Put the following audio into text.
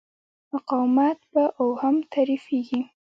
مقاومت په اوهم تعریفېږي.